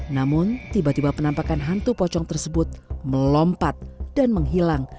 namun tiba tiba penampakan hantu pocong tersebut melompat dan menghilang